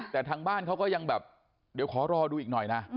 แต่ทางบ้านเขาก็ยังแบบเดี๋ยวขอรอดูอีกหน่อยนะ